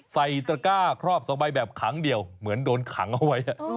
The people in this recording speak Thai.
ตระก้าครอบ๒ใบแบบขังเดียวเหมือนโดนขังเอาไว้